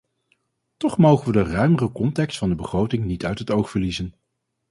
Toch mogen we de ruimere context van de begroting niet uit het oog verliezen.